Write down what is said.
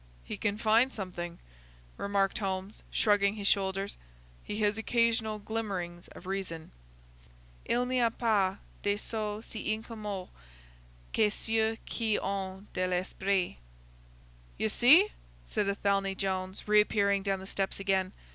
"He can find something," remarked Holmes, shrugging his shoulders. "He has occasional glimmerings of reason. Il n'y a pas des sots si incommodes que ceux qui ont de l'esprit!" "You see!" said Athelney Jones, reappearing down the steps again.